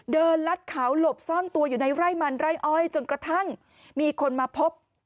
ลัดเขาหลบซ่อนตัวอยู่ในไร่มันไร่อ้อยจนกระทั่งมีคนมาพบ